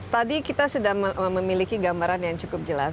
tadi kita sudah memiliki gambaran yang cukup jelas